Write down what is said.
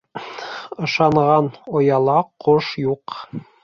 Ышанған ояла ҡош юҡ.